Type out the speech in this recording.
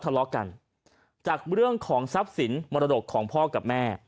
เขาบอกว่าเขาทะเลาะกันจากเรื่องของทรัพย์สินมรดกของพ่อกับแม่